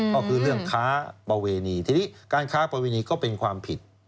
ก็คือเรื่องค้าประเวณีทีนี้การค้าประเวณีก็เป็นความผิด